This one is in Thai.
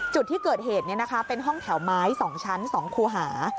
จุดที่เกิดเหตุเป็นห้องแถวไม้๒ชั้น๒คูหา